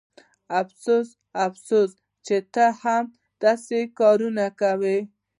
افسوس افسوس چې ته هم داسې کارونه کوې